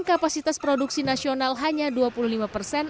kapasitas produksi nasional hanya dua puluh lima persen